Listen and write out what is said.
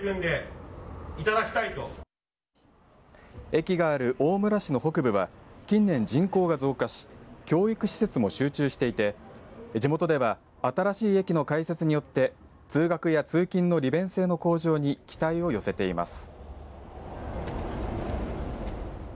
駅がある大村市の北部は近年、人口が増加し教育施設も集中していて地元では新しい駅の開設によって通学や通勤の利便性の向上に期待を寄せています。